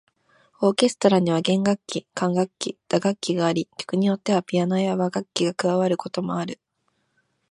オーケストラには弦楽器、管楽器、打楽器があり、曲によってはピアノや和楽器が加わることもある。